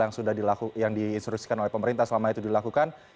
yang diinstruksikan oleh pemerintah selama itu dilakukan